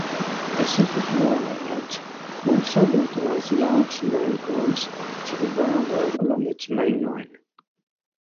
Pacific Railway Act also authorized large land grants to the railroad along its mainline.